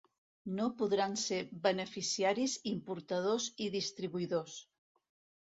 No podran ser beneficiaris importadors i distribuïdors.